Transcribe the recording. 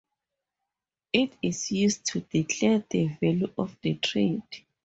It is used to declare the value of the trade.